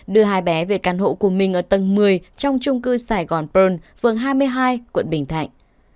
đưa hai bé về căn hộ của mình ở tầng một mươi trong trung cư sài gòn pearl phường hai mươi hai quận bình thạnh